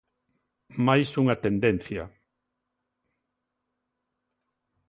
Máis unha tendencia.